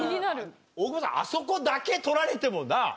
大久保さんあそこだけ取られてもな？